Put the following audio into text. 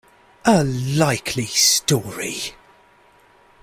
A likely story!